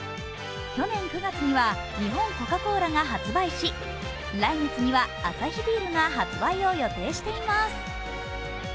去年９月には日本コカ・コーラが発売し来月にはアサヒビールが発売を予定しています。